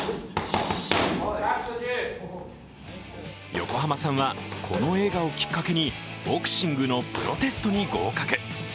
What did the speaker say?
横浜さんは、この映画をきっかけにボクシングのプロテストに合格。